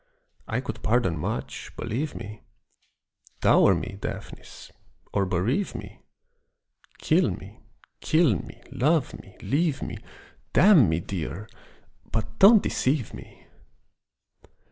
I could pardon much, believe me: Dower me, Daphnis, or bereave me, Kill me, kill me, love me, leave me Damn me, dear, but don't deceive me!